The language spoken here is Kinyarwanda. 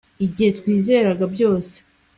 igihe twizeraga byose